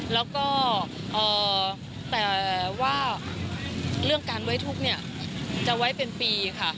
แล้วก็แต่ว่าเรื่องการไว้ทุกข์เนี่ยจะไว้เป็นปีค่ะ